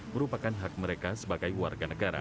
merupakan hak mereka sebagai warga negara